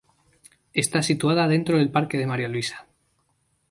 Está situada dentro del Parque de María Luisa.